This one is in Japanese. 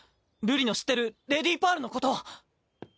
瑠璃の知ってるレディパールのこと。